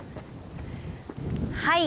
はい。